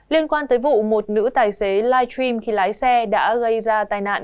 liên quan tới vụ một nữ tài xế live stream khi lái xe đã gây ra tai nạn